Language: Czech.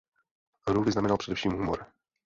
Hru vyznamenal především humor.